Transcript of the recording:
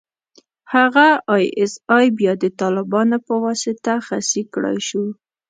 هغه ای اس ای بيا د طالبانو په واسطه خصي کړای شو.